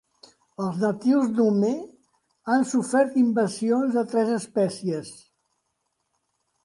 Els natius Pnume han sofert invasions de tres espècies.